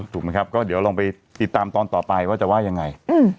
ถูกไหมครับก็เดี๋ยวลองไปติดตามตอนต่อไปว่าจะว่ายังไง